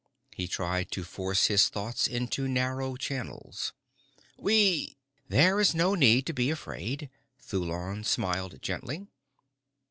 He tried to force his thoughts into narrow channels. "We " "There is no need to be afraid." Thulon smiled gently.